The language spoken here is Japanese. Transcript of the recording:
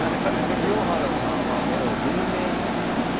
清原さんはもう有名人なんですよ。